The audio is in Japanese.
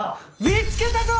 見つけたぞ！